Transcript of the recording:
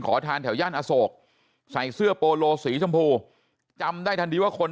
ขอทานแถวย่านอโศกใส่เสื้อโปโลสีชมพูจำได้ทันทีว่าคน